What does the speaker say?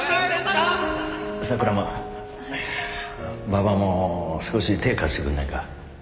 馬場も少し手貸してくんないか？